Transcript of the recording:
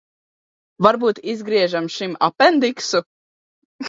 Varbūt izgriežam šim apendiksu?